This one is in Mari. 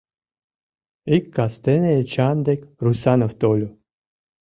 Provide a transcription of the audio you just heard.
Ик кастене Эчан дек Русанов тольо.